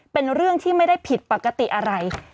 เป็นเรื่องที่ไม่ได้ผิดปกติอะไร